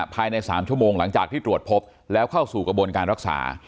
ภายใน๓ชั่วโมงหลังจากที่ตรวจพบแล้วเข้าสู่กระบวนการรักษา